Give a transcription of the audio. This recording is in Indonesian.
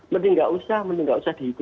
mending nggak usah mending nggak usah dihitung